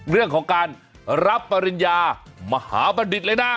เรื่องของการรับปริญญามหาบัณฑิตเลยนะ